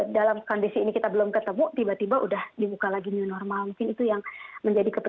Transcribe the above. dalam kondisi ini kita belum ketemu tiba tiba udah dibuka lagi new normal